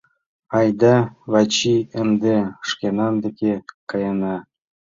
— Айда, Вачий, ынде шкенан деке каена!